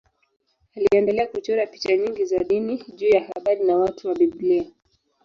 Aliendelea kuchora picha nyingi za dini juu ya habari na watu wa Biblia.